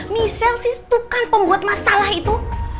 michelle si tukang pembuat masalah itu